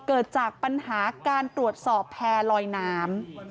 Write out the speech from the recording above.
เกิดจากปัญหาการตรวจสอบแพร่ลอยน้ำ